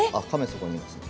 そこにいますね。